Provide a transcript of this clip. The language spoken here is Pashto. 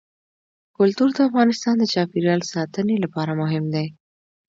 کلتور د افغانستان د چاپیریال ساتنې لپاره مهم دي.